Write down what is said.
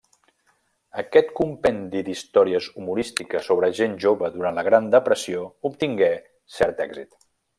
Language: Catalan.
Aquest compendi d'històries humorístiques sobre gent jove durant la Gran depressió obtingué cert èxit.